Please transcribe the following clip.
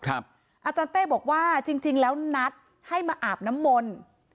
อาจารย์เต้บอกว่าจริงแล้วนัดให้มาอาบน้ำมนต์